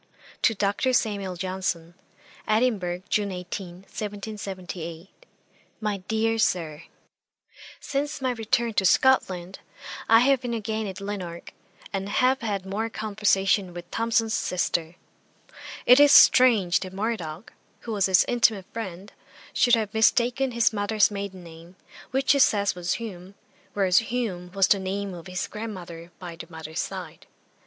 'To DR. SAMUEL JOHNSON. 'Edinburgh, June 18, 1778. 'MY DEAR SIR, 'Since my return to Scotland, I have been again at Lanark, and have had more conversation with Thomson's sister. It is strange that Murdoch, who was his intimate friend, should have mistaken his mother's maiden name, which he says was Hume, whereas Hume was the name of his grandmother by the mother's side.